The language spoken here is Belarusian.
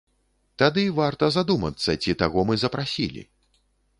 Тады варта задумацца, ці таго мы запрасілі!?